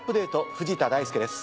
藤田大介です。